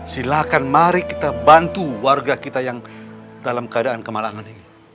silahkan mari kita bantu warga kita yang dalam keadaan kemalangan ini